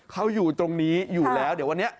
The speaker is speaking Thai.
เขาอยู่ตรงนี้อยู่แล้วเดี๋ยววันนี้